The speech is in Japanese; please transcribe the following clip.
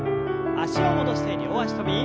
脚を戻して両脚跳び。